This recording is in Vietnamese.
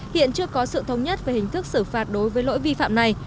hiện chưa có sự thống nhất về hình thức xử phạt đối với lỗi vi phạm này